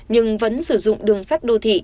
nhưng vẫn sử dụng đường sắt đô thị